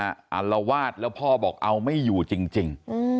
อารวาสแล้วพ่อบอกเอาไม่อยู่จริง